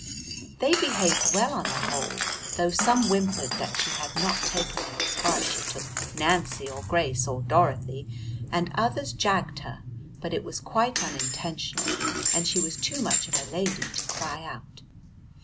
They behaved well on the whole, though some whimpered that she had not taken them as far as she took Nancy or Grace or Dorothy, and others jagged her, but it was quite unintentional, and she was too much of a lady to cry out.